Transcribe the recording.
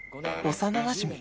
幼なじみ？